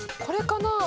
これかな？